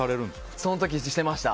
その時していました。